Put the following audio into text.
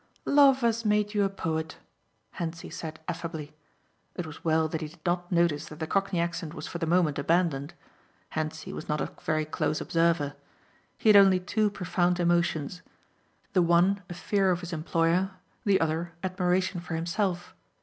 "Love has made you a poet," Hentzi said affably. It was well that he did not notice that the cockney accent was for the moment abandoned. Hentzi was not a very close observer. He had only two profound emotions. The one a fear of his employer, the other admiration for himself.